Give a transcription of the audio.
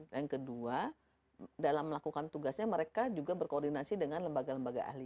yang kedua dalam melakukan tugasnya mereka juga berkoordinasi dengan lembaga lembaga ahli